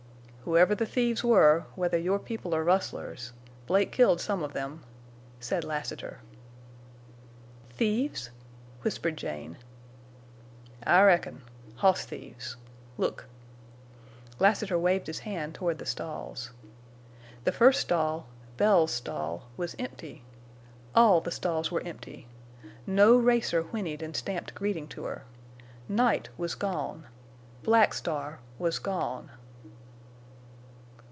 "Whoever the thieves were, whether your people or rustlers—Blake killed some of them!" said Lassiter. "Thieves?" whispered Jane. "I reckon. Hoss thieves!... Look!" Lassiter waved his hand toward the stalls. The first stall—Bells's stall—was empty. All the stalls were empty. No racer whinnied and stamped greeting to her. Night was gone! Black Star was gone!